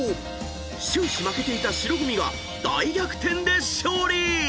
［終始負けていた白組が大逆転で勝利！］